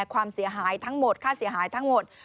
ความเสียหายทั้งหมดค่าเสียหายทั้งหมด